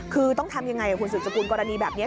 คือต้องทำยังไงคุณสุดสกุลกรณีแบบนี้